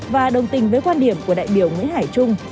và đồng tình với quan điểm của đại biểu nguyễn hải trung